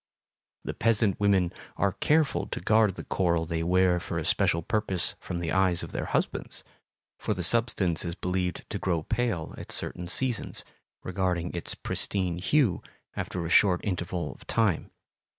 The peasant women are careful to guard the corals they wear for a special purpose from the eyes of their husbands, for the substance is believed to grow pale at certain seasons, regaining its pristine hue after a short interval of time.